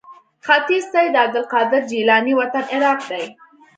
ختیځ ته یې د عبدالقادر جیلاني وطن عراق دی.